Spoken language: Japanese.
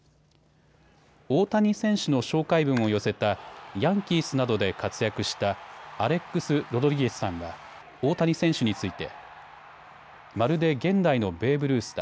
大谷選手の紹介文を寄せたヤンキースなどで活躍したアレックス・ロドリゲスさんは大谷選手についてまるで現代のベーブ・ルースだ。